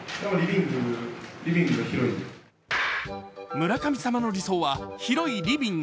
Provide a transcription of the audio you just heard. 村神様の理想は広いリビング。